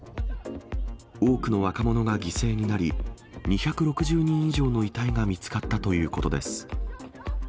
多くの若者が犠牲になり、２６０人以上の遺体が見つかったということです。